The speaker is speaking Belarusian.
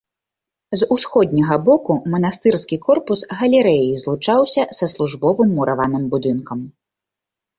З усходняга боку манастырскі корпус галерэяй злучаўся са службовым мураваным будынкам.